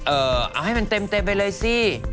เอาให้มันเต็มไปเลยสิ